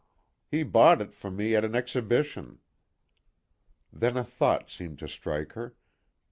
He bought it for me at an exhibition." Then a thought seemed to strike her.